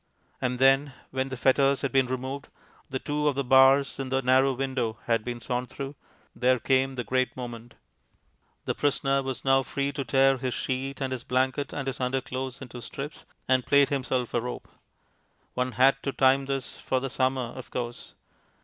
And then, when the fetters had been removed, and two of the bars in the narrow window had been sawn through, there came the great moment. The prisoner was now free to tear his sheet and his blanket and his underclothes into strips, and plait himself a rope. One had to time this for the summer, of course.